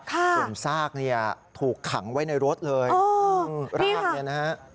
จมซากถูกขังไว้ในรถเลยรากเนี่ยนะครับ